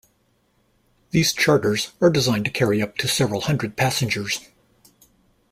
These charters are designed to carry up to several hundred passengers.